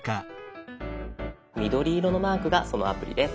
緑色のマークがそのアプリです。